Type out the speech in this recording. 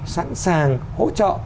sẵn sàng hỗ trợ